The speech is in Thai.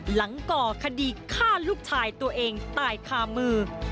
ก่อคดีฆ่าลูกชายตัวเองตายคามือ